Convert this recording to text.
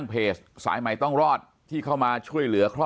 ปากกับภาคภูมิ